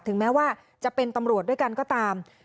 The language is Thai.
แม้ว่าจะเป็นตำรวจด้วยกันก็ตาม